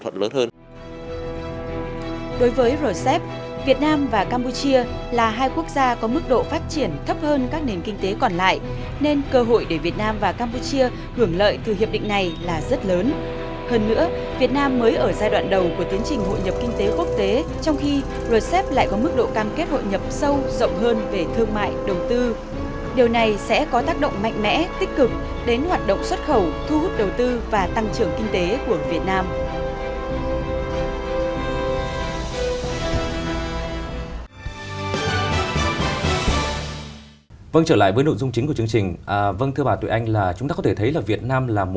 khi rcep lại có mức độ cam kết hội nhập sâu rộng hơn về thương mại đầu tư điều này sẽ có tác động mạnh mẽ tích cực đến hoạt động xuất khẩu thu hút đầu tư và tăng trưởng kinh tế của việt nam